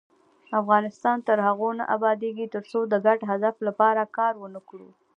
افغانستان تر هغو نه ابادیږي، ترڅو د ګډ هدف لپاره کار ونکړو.